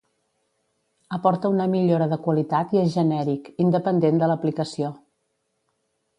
Aporta una millora de qualitat i és genèric, independent de l'aplicació.